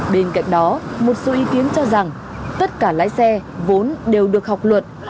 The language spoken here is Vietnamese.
bên cạnh đó một số ý kiến cho rằng tất cả lái xe vốn đều được học luật